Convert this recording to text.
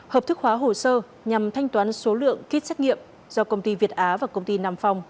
hợp thức hóa hồ sơ nhằm thanh toán số lượng kit xét nghiệm do công ty việt á và công ty nam phong